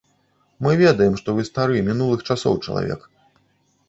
Мы ведаем, што вы стары, мінулых часоў чалавек.